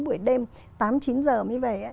buổi đêm tám chín giờ mới về